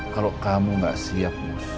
kalau kamu gak siap